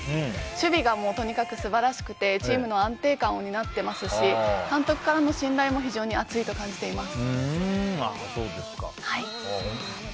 守備がとにかく素晴らしくてチームの安定感を担ってますし監督からの信頼も非常に厚いと感じています。